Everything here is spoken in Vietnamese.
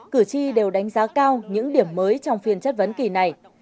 cử tri đều đánh giá cao những điểm mới trong phiên chất vấn kỳ này